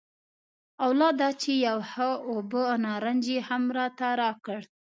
او لا دا چې یو ښه اوبه نارنج یې هم راته راکړ.